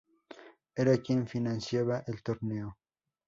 Era quien financiaba el torneo.